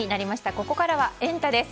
ここからはエンタ！です。